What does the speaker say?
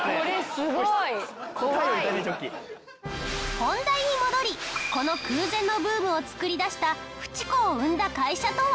本題に戻りこの空前のブームを作り出したフチ子を生んだ会社とは？